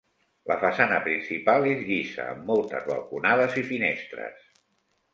La façana principal és llisa, amb moltes balconades i finestres.